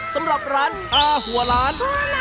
สำหรับร้านชาหัวล้าน